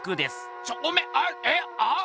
ちょっおめあっえあっ